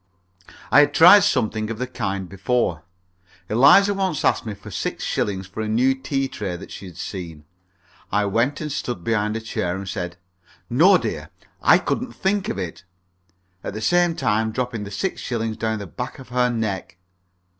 I had tried something of the kind before. Eliza once asked me for six shillings for a new tea tray that she had seen. I went and stood behind her chair, and said, "No, dear, I couldn't think of it," at the same time dropping the six shillings down the back of her neck.